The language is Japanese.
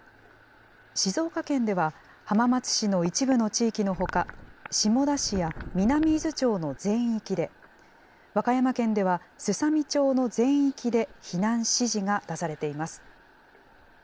静岡県では、浜松市の一部の地域のほか、下田市や南伊豆町の全域で、和歌山県ではすさみ町の全域で避難指示が出されています。